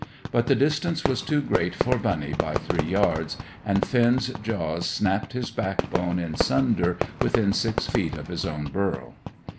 But the distance was too great for bunny by three yards, and Finn's jaws snapped his backbone in sunder within six feet of his own burrow.